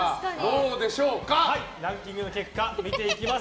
ランキングの結果を見ていきます。